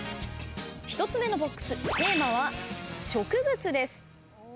１つ目のＢＯＸテーマは「植物」です。